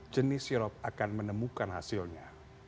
jenis sirop akan menemukan hasilnya